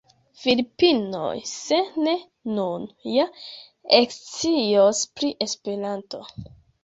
Filipinoj, se ne nun, ja ekscios pri Esperanto.